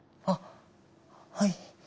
あっはい。